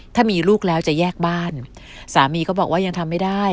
ถ้ามีลูกแล้วจะแยกบ้านสามีก็บอกว่ายังทำไม่ได้